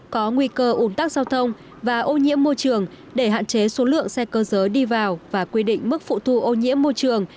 có nguy cơ ủn tắc giao thông và ô nhiễm môi trường để hạn chế số lượng xe cơ giới đi vào và quy định mức phụ thu ô nhiễm môi trường